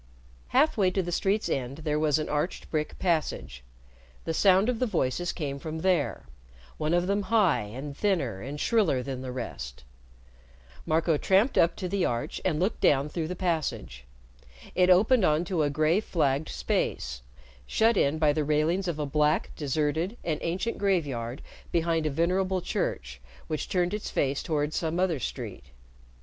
Half way to the street's end there was an arched brick passage. The sound of the voices came from there one of them high, and thinner and shriller than the rest. Marco tramped up to the arch and looked down through the passage. It opened on to a gray flagged space, shut in by the railings of a black, deserted, and ancient graveyard behind a venerable church which turned its face toward some other street.